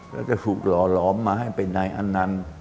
แล้วจะถูกหล่อหลอมมาให้เป็นนายอันนั้น